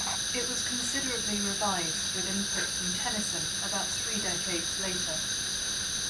It was considerably revised, with input from Tennyson, about three decades later.